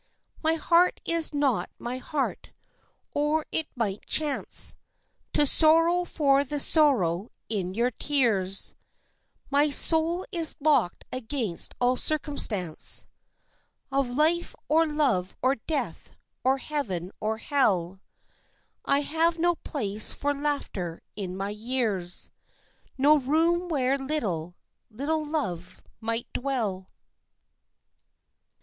My heart is not my heart, or it might chance To sorrow for the sorrow in your tears; My soul is locked against all circumstance Of life or love or death or heaven or hell; I have no place for laughter in my years, No room where little, little love might dwell.